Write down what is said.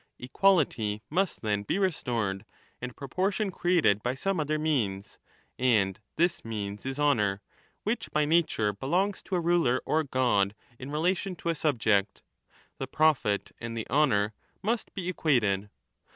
Equality must then b>e restored and proportion created by some other means ; and this means ao is honour, which by nature belongs to a ruler or god in relation to a subject. The profit and the honour must be equated.